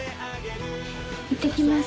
いってきます。